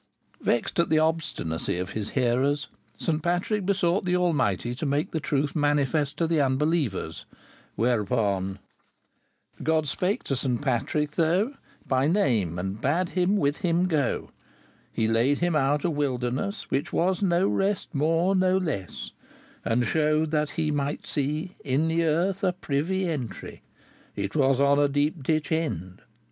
Vexed at the obstinacy of his hearers, St. Patrick besought the Almighty to make the truth manifest to the unbelievers; whereupon "God spakke to Saynt Patryke tho By nam, and badde hym with Hym go: He ladde hym ynte a wyldernesse, Wher was no reste more no lesse, And shewed that he might se Inte the erthe a pryvé entré: Hit was yn a depe dyches ende.